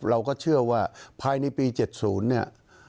เราก็เชื่อว่าภายในปี๗๐เนี่ย